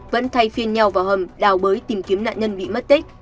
vẫn thay phiên nhau vào hầm đào bới tìm kiếm nạn nhân bị mất tích